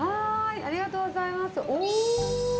ありがとうございます。